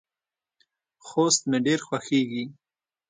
خوست مې ډیر خوښیږي.